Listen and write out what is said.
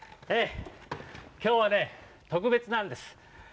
きょうはねとくべつなんです。